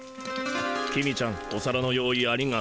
公ちゃんお皿の用意ありがとう。